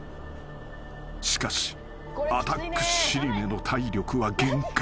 ［しかしアタック尻目の体力は限界］